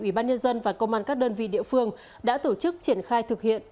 ủy ban nhân dân và công an các đơn vị địa phương đã tổ chức triển khai thực hiện